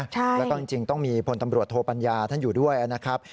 แล้วก็จริงต้องมีพลตำรวจโทปัญญาท่านอยู่ด้วยนะครับ